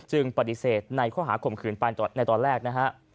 จึงปฏิเสธในค้าคมคืนในตอนแรกนะฮะ